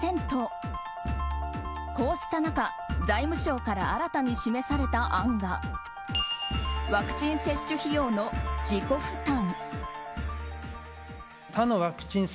こうした中、財務省から新たに示された案がワクチン接種費用の自己負担。